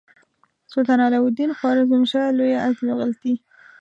سلطان علاء الدین خوارزمشاه لویه غلطي.